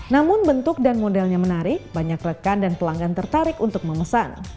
namun bentuk dan modelnya menarik banyak rekan dan pelanggan tertarik untuk memesan